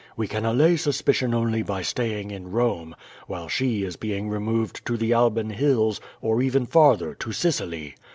We can allay suspicion only by staying in Rome, while she is being removed to the Alban Hills, or even farther, to Sicily.